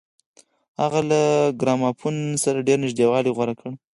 هغه له ګرامافون سره ډېر نږدېوالی غوره کړ